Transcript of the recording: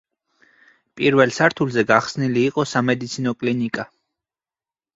პირველ სართულზე გახსნილი იყო სამედიცინო კლინიკა.